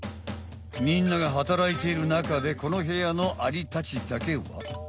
みんなが働いている中でこのへやのアリたちだけは。